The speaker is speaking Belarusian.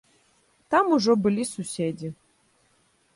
Там ужо былі суседзі.